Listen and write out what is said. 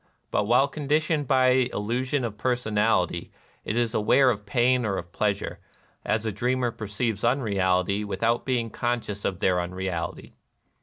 But while conditioned by the illusion of personality, it is aware of pain or pleasure, as a dreamer perceives unrealities without being conscious of their unreality.